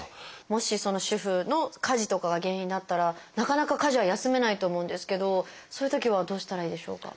もし主婦の家事とかが原因だったらなかなか家事は休めないと思うんですけどそういうときはどうしたらいいでしょうか？